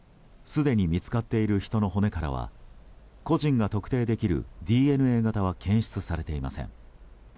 すでに見つかっている人の骨からは個人が特定できるＤＮＡ型は検出されていません。